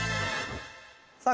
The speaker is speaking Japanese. さあ